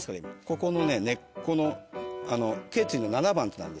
ここのね根っこの頸椎の７番っていうのがあるんですよ。